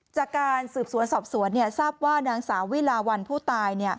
จากการสืบสวนสอบสวนทราบว่านางสาววิลาวันผู้ตาย